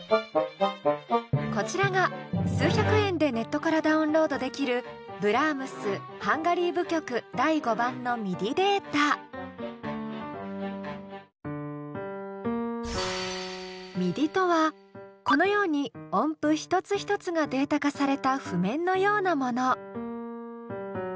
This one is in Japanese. こちらが数百円でネットからダウンロードできるＭＩＤＩとはこのように音符一つ一つがデータ化された譜面のようなもの。